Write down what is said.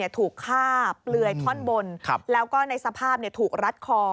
ถูกฆ่าเปลือยท่อนบนแล้วก็ในสภาพถูกรัดคอ